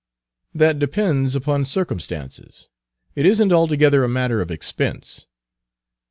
"That depends upon circumstances. It isn't altogether a matter of expense.